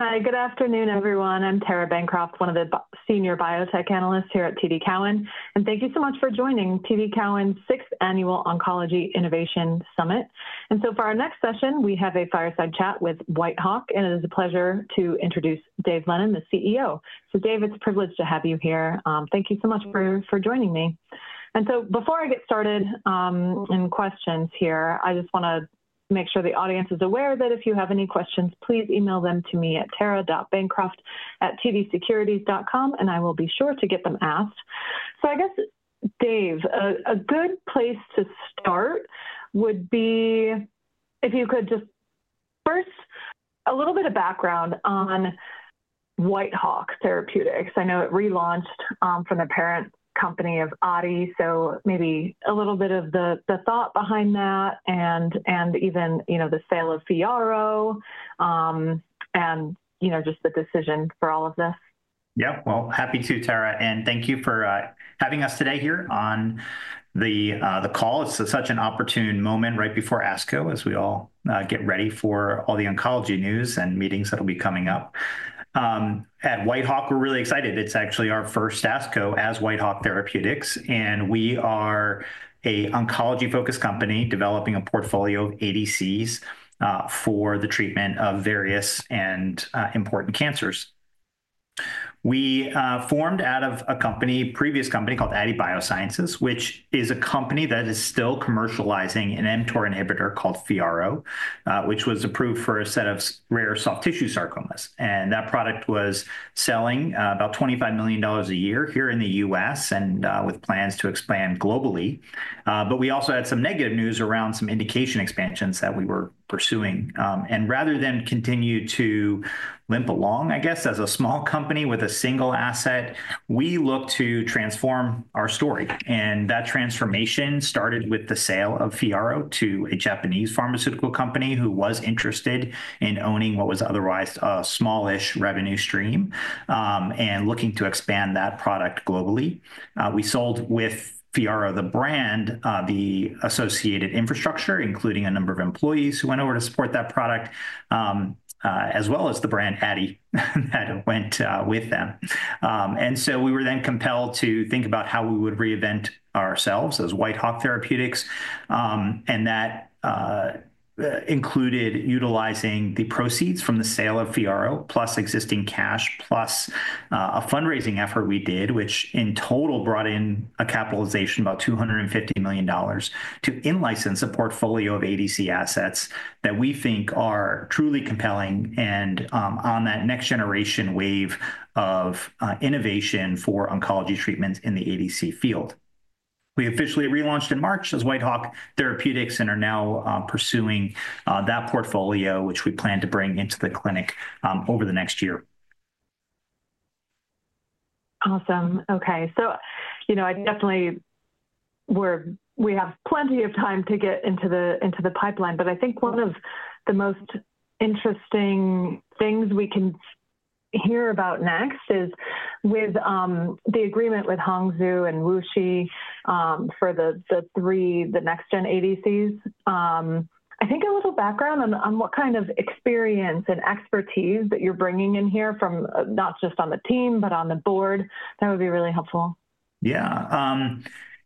Hi, good afternoon, everyone. I'm Tara Bancroft, one of the Senior Biotech Analysts here at TD Cowen. Thank you so much for joining TD Cowen's Sixth Annual Oncology Innovation Summit. For our next session, we have a fireside chat with WhiteHWK. It is a pleasure to introduce Dave Lennon, the CEO. Dave, it's a privilege to have you here. Thank you so much for joining me. Before I get started in questions here, I just want to make sure the audience is aware that if you have any questions, please email them to me at tara.bancroft@tdsecurity.com. I will be sure to get them asked. I guess, Dave, a good place to start would be if you could just first a little bit of background on WhiteHWK Therapeutics. I know it relaunched from the parent company of Aadi. Maybe a little bit of the thought behind that and even the sale of FYARRO. Just the decision for all of this. Yep. Happy to, Tara. Thank you for having us today here on the call. It's such an opportune moment right before ASCO, as we all get ready for all the oncology news and meetings that will be coming up. At WhiteHWK, we're really excited. It's actually our first ASCO as WhiteHWK Therapeutics. We are an oncology-focused company developing a portfolio of ADCs for the treatment of various and important cancers. We formed out of a previous company called Aadi Bioscience, which is a company that is still commercializing an mTOR inhibitor called FYARRO, which was approved for a set of rare soft tissue sarcomas. That product was selling about $25 million a year here in the US with plans to expand globally. We also had some negative news around some indication expansions that we were pursuing. Rather than continue to limp along, I guess, as a small company with a single asset, we look to transform our story. That transformation started with the sale of FYARRO to a Japanese pharmaceutical company who was interested in owning what was otherwise a smallish revenue stream and looking to expand that product globally. We sold with FYARRO, the brand, the associated infrastructure, including a number of employees who went over to support that product, as well as the brand Aadi that went with them. We were then compelled to think about how we would reinvent ourselves as WhiteHWK Therapeutics. That included utilizing the proceeds from the sale of FYARRO, plus existing cash, plus a fundraising effort we did, which in total brought in a capitalization of about $250 million to in-license a portfolio of ADC assets that we think are truly compelling and on that next-generation wave of innovation for oncology treatments in the ADC field. We officially relaunched in March as WhiteHWK Therapeutics and are now pursuing that portfolio, which we plan to bring into the clinic over the next year. Awesome. OK. I definitely we have plenty of time to get into the pipeline. I think one of the most interesting things we can hear about next is with the agreement with Hangzhou DAC and WuXi Biologics for the three next-gen ADCs. I think a little background on what kind of experience and expertise that you're bringing in here from not just on the team, but on the board. That would be really helpful. Yeah.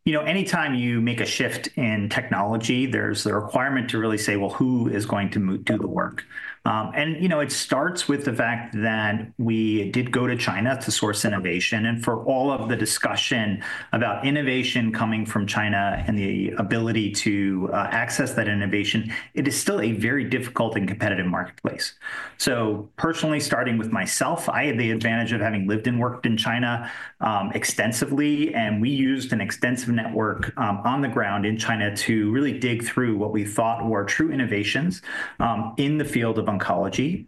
Anytime you make a shift in technology, there's a requirement to really say, well, who is going to do the work? It starts with the fact that we did go to China to source innovation. For all of the discussion about innovation coming from China and the ability to access that innovation, it is still a very difficult and competitive marketplace. Personally, starting with myself, I had the advantage of having lived and worked in China extensively. We used an extensive network on the ground in China to really dig through what we thought were true innovations in the field of oncology.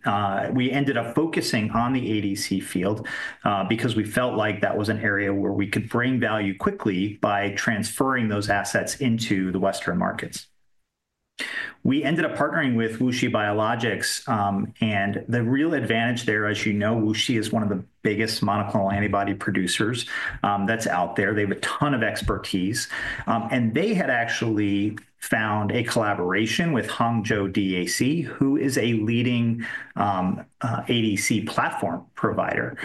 We ended up focusing on the ADC field because we felt like that was an area where we could bring value quickly by transferring those assets into the Western markets. We ended up partnering with WuXi Biologics. The real advantage there, as you know, WuXi is one of the biggest monoclonal antibody producers that's out there. They have a ton of expertise. They had actually found a collaboration with Hangzhou DAC, who is a leading ADC platform provider.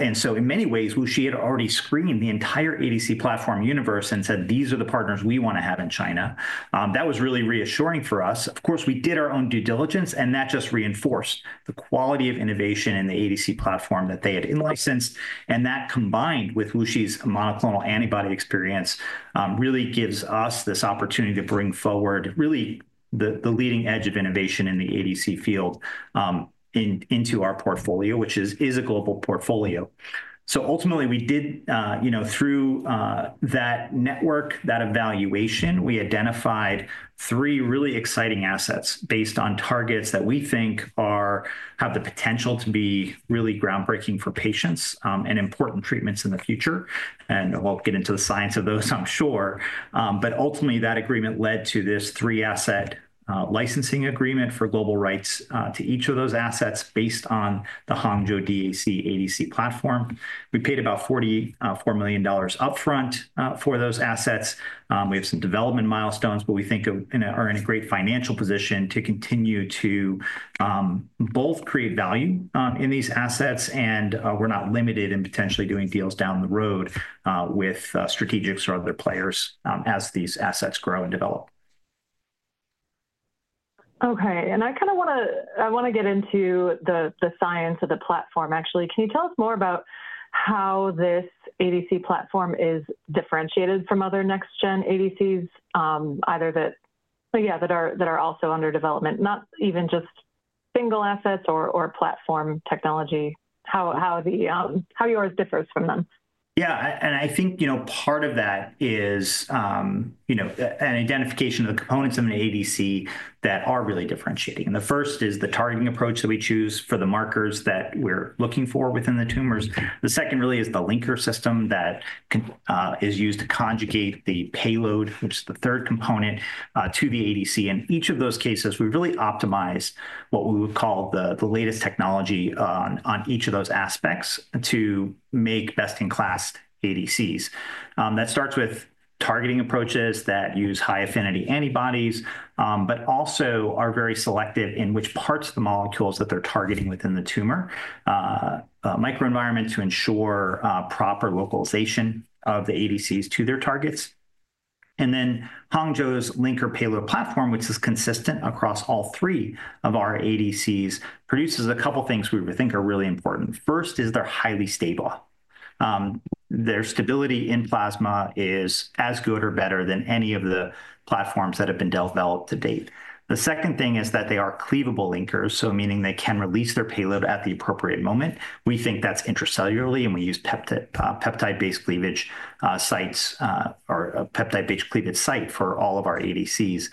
In many ways, WuXi had already screened the entire ADC platform universe and said, these are the partners we want to have in China. That was really reassuring for us. Of course, we did our own due diligence. That just reinforced the quality of innovation in the ADC platform that they had in-licensed. That combined with WuXi's monoclonal antibody experience really gives us this opportunity to bring forward really the leading edge of innovation in the ADC field into our portfolio, which is a global portfolio. Ultimately, we did, through that network, that evaluation, we identified three really exciting assets based on targets that we think have the potential to be really groundbreaking for patients and important treatments in the future. We will get into the science of those, I am sure. Ultimately, that agreement led to this three-asset licensing agreement for global rights to each of those assets based on the Hangzhou DAC ADC platform. We paid about $44 million upfront for those assets. We have some development milestones, but we think we are in a great financial position to continue to both create value in these assets. We are not limited in potentially doing deals down the road with strategics or other players as these assets grow and develop. OK. I kind of want to get into the science of the platform. Actually, can you tell us more about how this ADC platform is differentiated from other Next-gen ADCs, either that, yeah, that are also under development, not even just single assets or platform technology? How yours differs from them? Yeah. I think part of that is an identification of the components of an ADC that are really differentiating. The first is the targeting approach that we choose for the markers that we're looking for within the tumors. The second really is the linker system that is used to conjugate the payload, which is the third component, to the ADC. In each of those cases, we really optimize what we would call the latest technology on each of those aspects to make best-in-class ADCs. That starts with targeting approaches that use high affinity antibodies, but also are very selective in which parts of the molecules that they're targeting within the tumor microenvironment to ensure proper localization of the ADCs to their targets. Hongzhou's linker payload platform, which is consistent across all three of our ADCs, produces a couple of things we think are really important. First is they're highly stable. Their stability in plasma is as good or better than any of the platforms that have been developed to date. The second thing is that they are cleavable linkers, meaning they can release their payload at the appropriate moment. We think that's intracellularly. We use peptide-based cleavage sites or peptide-based cleavage site for all of our ADCs.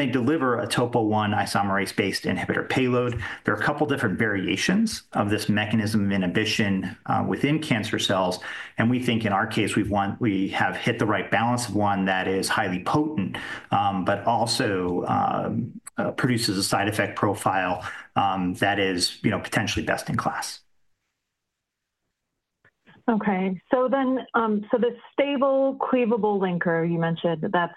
They deliver a topo-1 isomerase-based inhibitor payload. There are a couple of different variations of this mechanism of inhibition within cancer cells. We think in our case, we have hit the right balance of one that is highly potent, but also produces a side effect profile that is potentially best in class. OK. So this stable cleavable linker you mentioned, that's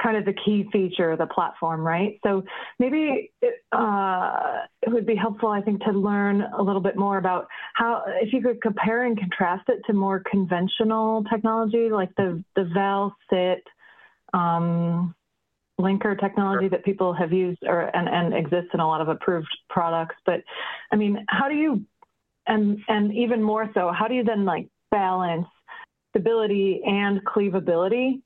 kind of the key feature of the platform, right? Maybe it would be helpful, I think, to learn a little bit more about how, if you could compare and contrast it to more conventional technology, like the Val-Cit linker technology that people have used and exists in a lot of approved products. I mean, how do you, and even more so, how do you then balance stability and cleavability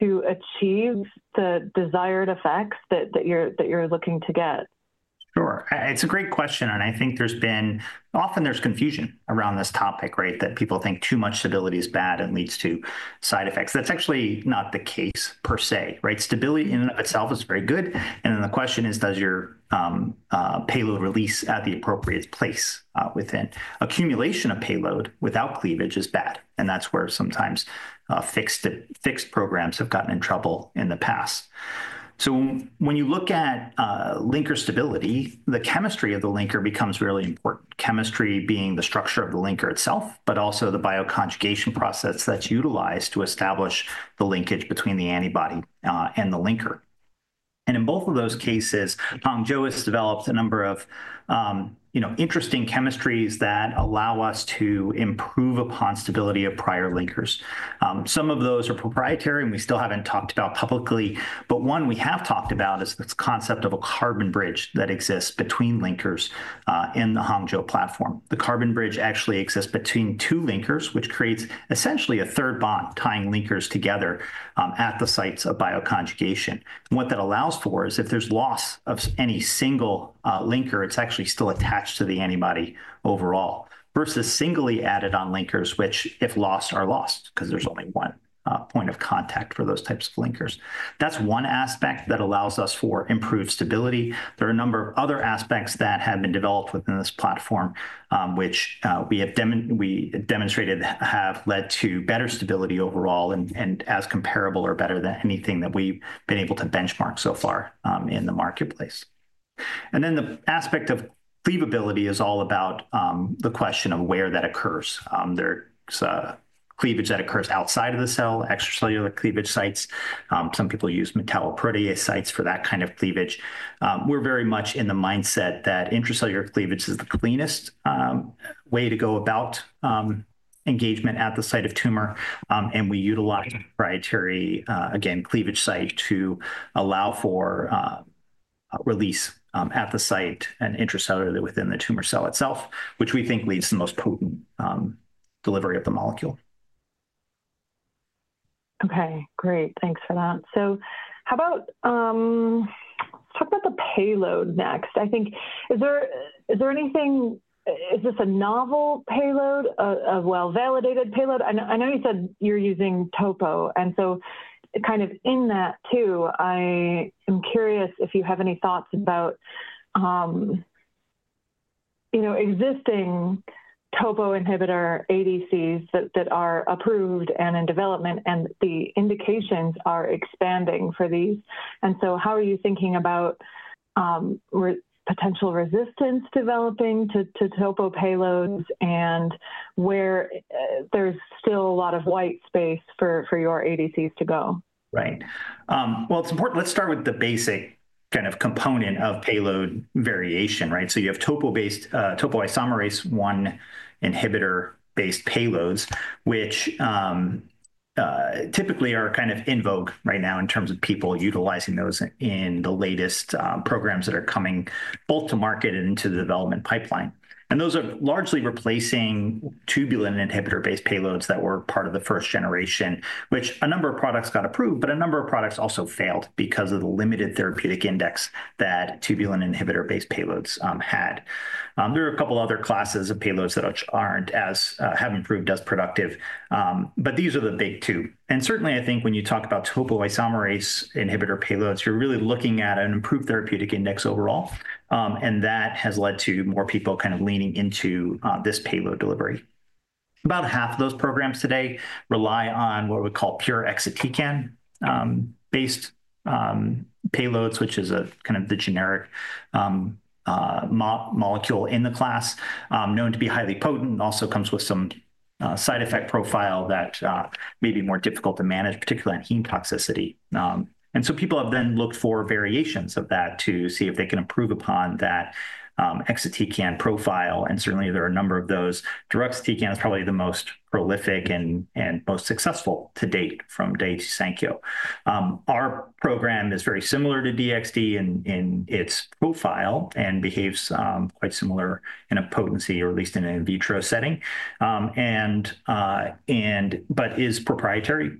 to achieve the desired effects that you're looking to get? Sure. It is a great question. I think there is often confusion around this topic, right, that people think too much stability is bad and leads to side effects. That is actually not the case per se, right? Stability in and of itself is very good. The question is, does your payload release at the appropriate place within? Accumulation of payload without cleavage is bad. That is where sometimes fixed programs have gotten in trouble in the past. When you look at linker stability, the chemistry of the linker becomes really important, chemistry being the structure of the linker itself, but also the bioconjugation process that is utilized to establish the linkage between the antibody and the linker. In both of those cases, Hangzhou DAC has developed a number of interesting chemistries that allow us to improve upon stability of prior linkers. Some of those are proprietary. We still have not talked about publicly. One we have talked about is this concept of a carbon bridge that exists between linkers in the Hongzhou platform. The carbon bridge actually exists between two linkers, which creates essentially a third bond tying linkers together at the sites of bioconjugation. What that allows for is if there is loss of any single linker, it is actually still attached to the antibody overall versus singly added on linkers, which if lost, are lost because there is only one point of contact for those types of linkers. That is one aspect that allows us for improved stability. There are a number of other aspects that have been developed within this platform, which we have demonstrated have led to better stability overall and as comparable or better than anything that we have been able to benchmark so far in the marketplace. The aspect of cleavability is all about the question of where that occurs. There's cleavage that occurs outside of the cell, extracellular cleavage sites. Some people use metalloprotease sites for that kind of cleavage. We are very much in the mindset that intracellular cleavage is the cleanest way to go about engagement at the site of tumor. We utilize a proprietary, again, cleavage site to allow for release at the site and intracellularly within the tumor cell itself, which we think leads to the most potent delivery of the molecule. OK. Great. Thanks for that. Let's talk about the payload next. I think, is there anything, is this a novel payload, a well-validated payload? I know you said you're using topo. In that too, I am curious if you have any thoughts about existing topo-inhibitor ADCs that are approved and in development, and the indications are expanding for these. How are you thinking about potential resistance developing to topo payloads and where there's still a lot of white space for your ADCs to go? Right. Let's start with the basic kind of component of payload variation, right? You have topo-based topoisomerase-1 inhibitor-based payloads, which typically are kind of in vogue right now in terms of people utilizing those in the latest programs that are coming both to market and into the development pipeline. Those are largely replacing tubulin inhibitor-based payloads that were part of the first generation, which a number of products got approved, but a number of products also failed because of the limited therapeutic index that tubulin inhibitor-based payloads had. There are a couple of other classes of payloads that aren't as have improved as productive. These are the big two. Certainly, I think when you talk about topoisomerase inhibitor payloads, you're really looking at an improved therapeutic index overall. That has led to more people kind of leaning into this payload delivery. About half of those programs today rely on what we call pure exatecan-based payloads, which is kind of the generic molecule in the class known to be highly potent. It also comes with some side effect profile that may be more difficult to manage, particularly on heme toxicity. People have then looked for variations of that to see if they can improve upon that exatecan profile. Certainly, there are a number of those. Deruxtecan is probably the most prolific and most successful to date from Daiichi Sankyo. Our program is very similar to DXd in its profile and behaves quite similar in potency, or at least in an in vitro setting, but is proprietary.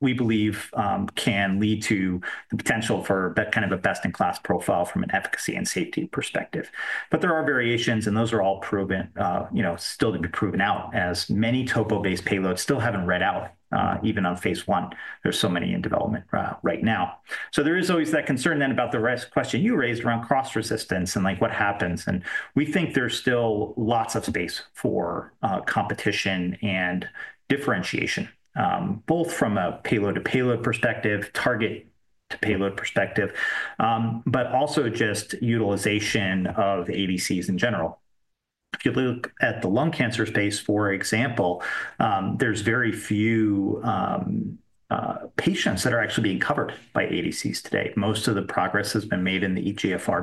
We believe can lead to the potential for kind of a best-in-class profile from an efficacy and safety perspective. There are variations. Those are all still to be proven out, as many topo-based payloads still have not read out, even on phase one. There are so many in development right now. There is always that concern then about the question you raised around cross-resistance and what happens. We think there is still lots of space for competition and differentiation, both from a payload-to-payload perspective, target-to-payload perspective, but also just utilization of ADCs in general. If you look at the lung cancer space, for example, there are very few patients that are actually being covered by ADCs today. Most of the progress has been made in the EGFR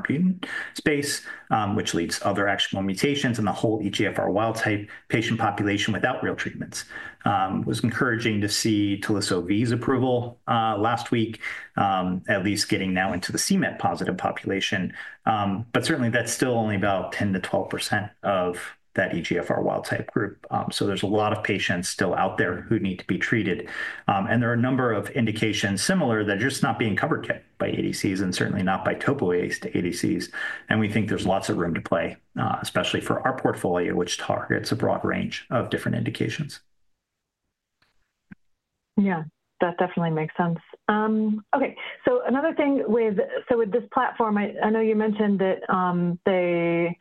space, which leads to other actionable mutations in the whole EGFR wild-type patient population without real treatments. It was encouraging to see Taliso V's approval last week, at least getting now into the CMET-positive population. That is still only about 10%-12% of that EGFR wild-type group. There are a lot of patients still out there who need to be treated. There are a number of indications similar that are just not being covered by ADCs and certainly not by topo-based ADCs. We think there is lots of room to play, especially for our portfolio, which targets a broad range of different indications. Yeah. That definitely makes sense. OK. Another thing with this platform, I know you mentioned that they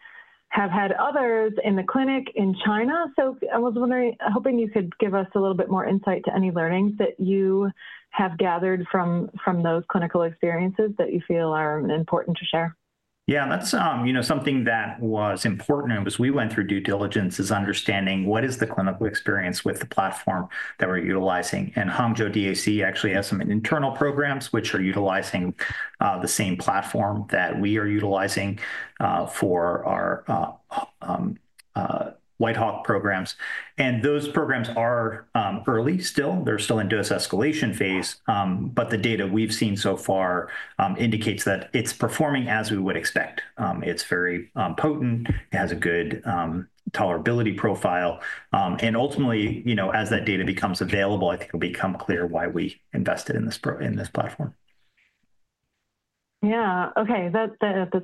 have had others in the clinic in China. I was hoping you could give us a little bit more insight to any learnings that you have gathered from those clinical experiences that you feel are important to share. Yeah. That's something that was important as we went through due diligence is understanding what is the clinical experience with the platform that we're utilizing. And Hangzhou DAC actually has some internal programs which are utilizing the same platform that we are utilizing for our WhiteHWK programs. Those programs are early still. They're still in dose escalation phase. The data we've seen so far indicates that it's performing as we would expect. It's very potent. It has a good tolerability profile. Ultimately, as that data becomes available, I think it'll become clear why we invested in this platform. Yeah. OK. That's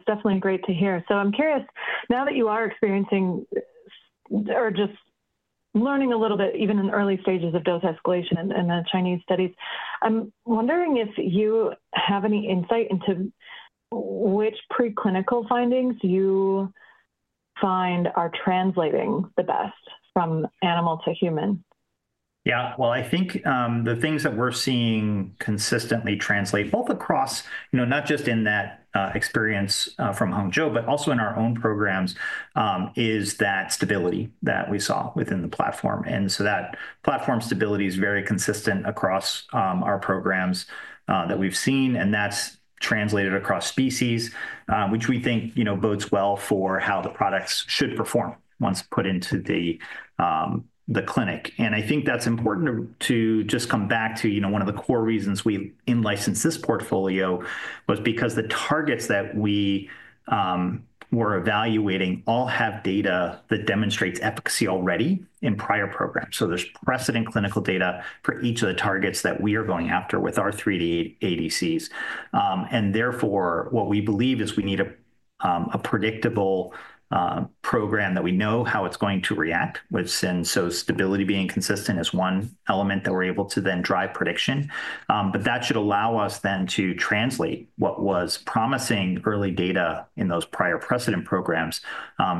definitely great to hear. I'm curious, now that you are experiencing or just learning a little bit, even in early stages of dose escalation and the Chinese studies, I'm wondering if you have any insight into which preclinical findings you find are translating the best from animal to human. Yeah. I think the things that we're seeing consistently translate, both across not just in that experience from Hangzhou DAC, but also in our own programs, is that stability that we saw within the platform. That platform stability is very consistent across our programs that we've seen. That's translated across species, which we think bodes well for how the products should perform once put into the clinic. I think that's important to just come back to one of the core reasons we licensed this portfolio was because the targets that we were evaluating all have data that demonstrates efficacy already in prior programs. There's precedent clinical data for each of the targets that we are going after with our three ADCs. Therefore, what we believe is we need a predictable program that we know how it's going to react, with stability being consistent as one element that we're able to then drive prediction. That should allow us then to translate what was promising early data in those prior precedent programs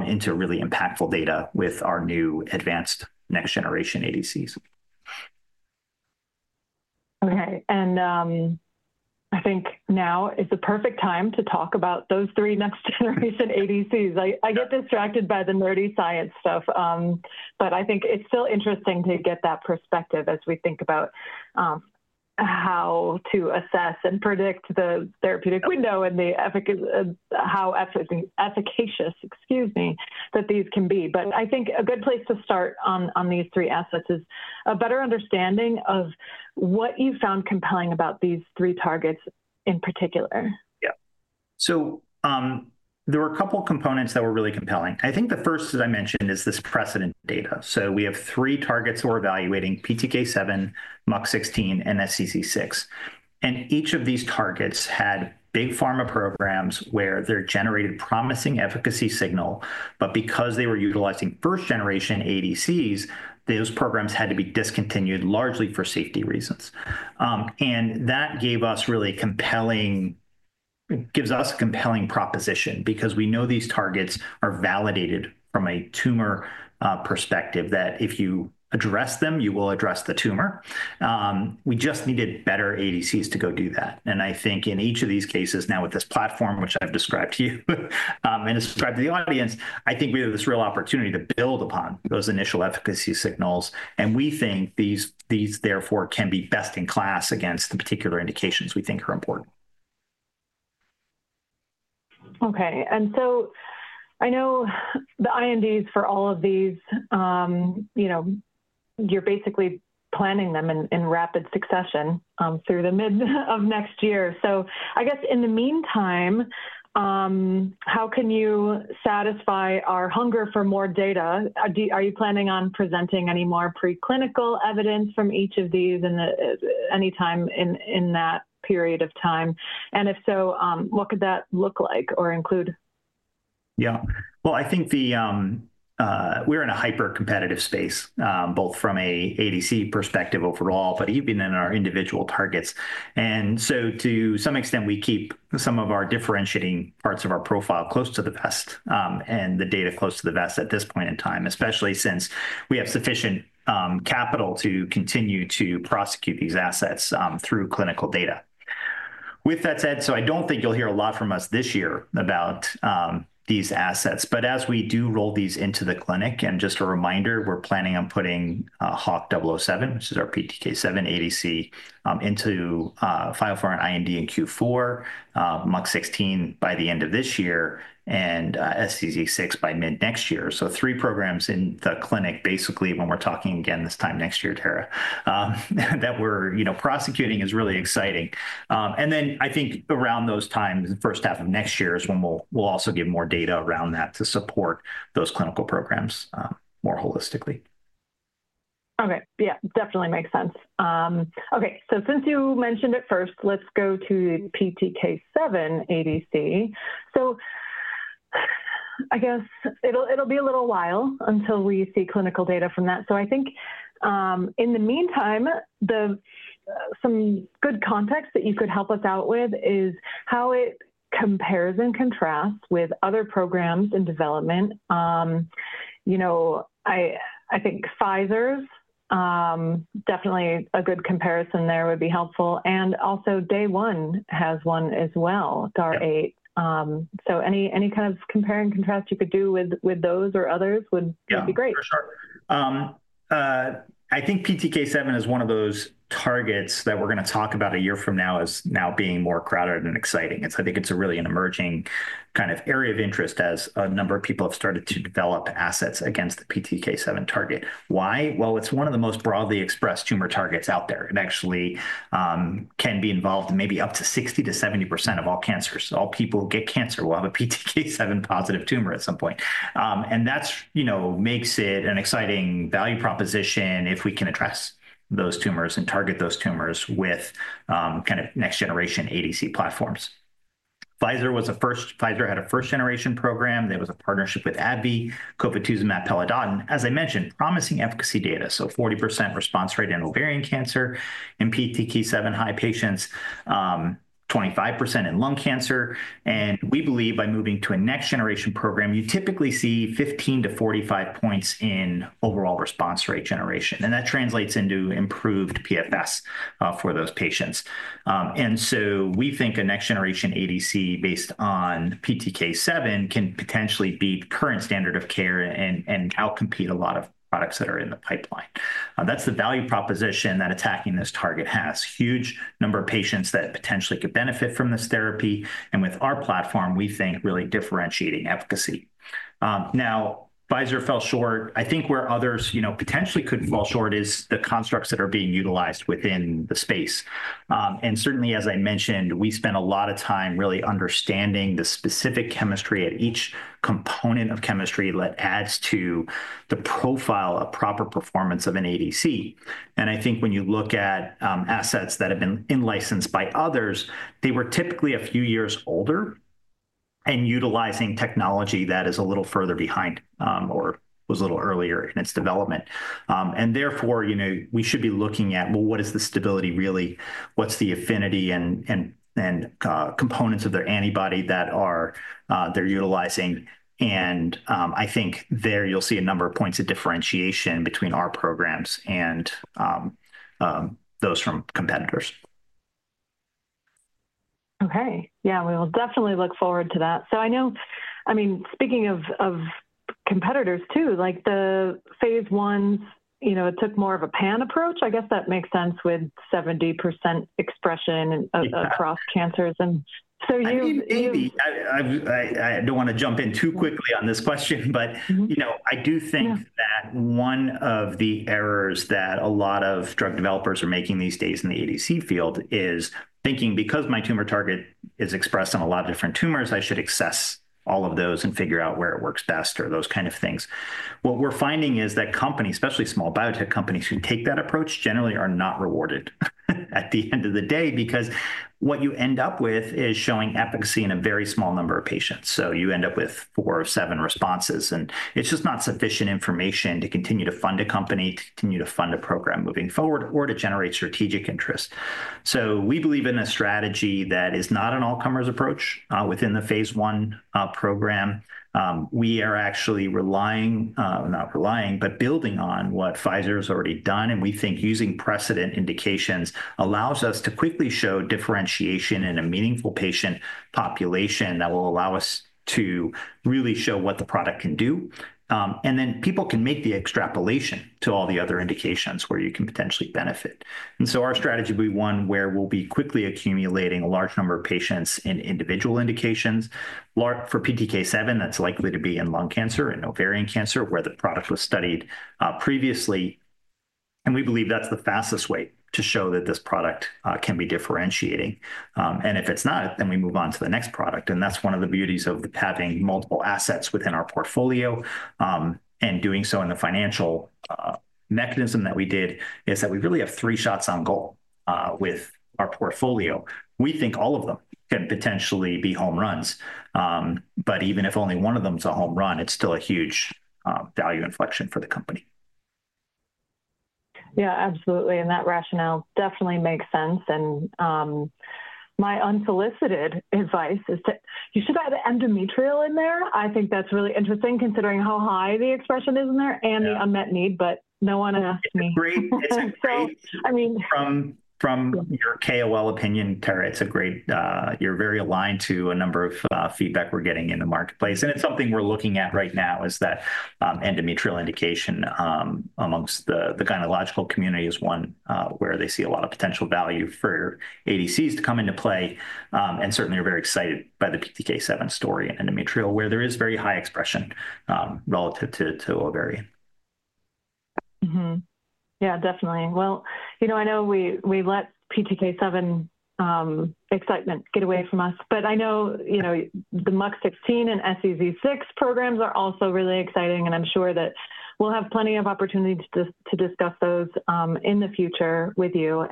into really impactful data with our new advanced next-generation ADCs. OK. I think now is the perfect time to talk about those three next-generation ADCs. I get distracted by the nerdy science stuff. I think it's still interesting to get that perspective as we think about how to assess and predict the therapeutic window and how efficacious, excuse me, that these can be. I think a good place to start on these three assets is a better understanding of what you found compelling about these three targets in particular. Yeah. There were a couple of components that were really compelling. I think the first, as I mentioned, is this precedent data. We have three targets we're evaluating: PTK7, MUC16, and SEZ6. Each of these targets had big pharma programs where they were generating promising efficacy signal. Because they were utilizing first-generation ADCs, those programs had to be discontinued largely for safety reasons. That gave us a really compelling proposition because we know these targets are validated from a tumor perspective, that if you address them, you will address the tumor. We just needed better ADCs to go do that. I think in each of these cases now with this platform, which I've described to you and described to the audience, we have this real opportunity to build upon those initial efficacy signals. We think these, therefore, can be best in class against the particular indications we think are important. OK. I know the INDs for all of these, you're basically planning them in rapid succession through the mid of next year. I guess in the meantime, how can you satisfy our hunger for more data? Are you planning on presenting any more preclinical evidence from each of these at any time in that period of time? If so, what could that look like or include? Yeah. I think we're in a hyper-competitive space, both from an ADC perspective overall, but even in our individual targets. To some extent, we keep some of our differentiating parts of our profile close to the vest and the data close to the vest at this point in time, especially since we have sufficient capital to continue to prosecute these assets through clinical data. With that said, I don't think you'll hear a lot from us this year about these assets. As we do roll these into the clinic, and just a reminder, we're planning on putting HWK-007, which is our PTK7 ADC, into FIO for an IND in Q4, MUC16 by the end of this year, and SEZ6 by mid next year. Three programs in the clinic, basically, when we're talking again this time next year, Tara, that we're prosecuting is really exciting. I think around those times, the first half of next year is when we'll also get more data around that to support those clinical programs more holistically. OK. Yeah. Definitely makes sense. OK. Since you mentioned it first, let's go to PTK7 ADC. I guess it'll be a little while until we see clinical data from that. I think in the meantime, some good context that you could help us out with is how it compares and contrasts with other programs in development. I think Pfizer's definitely a good comparison there, would be helpful. Also, Day One has one as well, DAR-8. Any kind of compare and contrast you could do with those or others would be great. Yeah. For sure. I think PTK7 is one of those targets that we're going to talk about a year from now as now being more crowded and exciting. I think it's really an emerging kind of area of interest as a number of people have started to develop assets against the PTK7 target. Why? It's one of the most broadly expressed tumor targets out there. It actually can be involved in maybe up to 60%-70% of all cancers. All people who get cancer will have a PTK7 positive tumor at some point. That makes it an exciting value proposition if we can address those tumors and target those tumors with kind of next-generation ADC platforms. Pfizer had a first-generation program. There was a partnership with AbbVie, COVID-2, Zumata, Pelodan. As I mentioned, promising efficacy data, so 40% response rate in ovarian cancer and PTK7 high patients, 25% in lung cancer. We believe by moving to a next-generation program, you typically see 15-45 percentage points in overall response rate generation. That translates into improved PFS for those patients. We think a next-generation ADC based on PTK7 can potentially beat current standard of care and outcompete a lot of products that are in the pipeline. That is the value proposition that attacking this target has: a huge number of patients that potentially could benefit from this therapy. With our platform, we think really differentiating efficacy. Pfizer fell short. I think where others potentially could fall short is the constructs that are being utilized within the space. Certainly, as I mentioned, we spent a lot of time really understanding the specific chemistry at each component of chemistry that adds to the profile of proper performance of an ADC. I think when you look at assets that have been licensed by others, they were typically a few years older and utilizing technology that is a little further behind or was a little earlier in its development. Therefore, we should be looking at, well, what is the stability really? What's the affinity and components of their antibody that they're utilizing? I think there you'll see a number of points of differentiation between our programs and those from competitors. OK. Yeah. We will definitely look forward to that. I mean, speaking of competitors too, like the phase ones, it took more of a pan approach. I guess that makes sense with 70% expression across cancers. And so you. I do not want to jump in too quickly on this question. But I do think that one of the errors that a lot of drug developers are making these days in the ADC field is thinking, because my tumor target is expressed on a lot of different tumors, I should access all of those and figure out where it works best or those kind of things. What we are finding is that companies, especially small biotech companies who take that approach, generally are not rewarded at the end of the day because what you end up with is showing efficacy in a very small number of patients. So you end up with four or seven responses. And it is just not sufficient information to continue to fund a company, to continue to fund a program moving forward, or to generate strategic interest. We believe in a strategy that is not an all-comers approach within the phase one program. We are actually relying, not relying, but building on what Pfizer has already done. We think using precedent indications allows us to quickly show differentiation in a meaningful patient population that will allow us to really show what the product can do. People can make the extrapolation to all the other indications where you can potentially benefit. Our strategy will be one where we'll be quickly accumulating a large number of patients in individual indications. For PTK7, that's likely to be in lung cancer and ovarian cancer where the product was studied previously. We believe that's the fastest way to show that this product can be differentiating. If it's not, then we move on to the next product. That is one of the beauties of having multiple assets within our portfolio. Doing so in the financial mechanism that we did is that we really have three shots on goal with our portfolio. We think all of them can potentially be home runs. Even if only one of them is a home run, it is still a huge value inflection for the company. Yeah. Absolutely. That rationale definitely makes sense. My unsolicited advice is that you should have the endometrial in there. I think that's really interesting considering how high the expression is in there and the unmet need. No one asked me. It's great. I mean. From your KOL opinion, Tara, it's great you're very aligned to a number of feedback we're getting in the marketplace. It's something we're looking at right now is that endometrial indication amongst the gynecological community is one where they see a lot of potential value for ADCs to come into play. Certainly, we're very excited by the PTK7 story in endometrial where there is very high expression relative to ovarian. Yeah. Definitely. You know, I know we let PTK7 excitement get away from us. I know the MUC16 and SEZ6 programs are also really exciting. I am sure that we will have plenty of opportunities to discuss those in the future with you.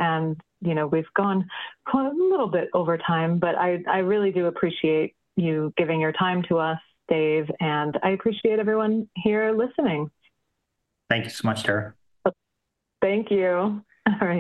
We have gone a little bit over time. I really do appreciate you giving your time to us, Dave. I appreciate everyone here listening. Thank you so much, Tara. Thank you, Ari.